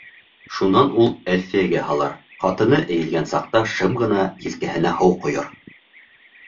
Шунан ул Әлфиәгә һалыр, ҡатыны эйелгән саҡта, шым ғына елкәһенә һыу ҡойор.